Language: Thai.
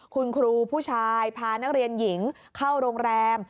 คุณครูผู้ชายพานักเรียนหญิงเข้าโรงแรม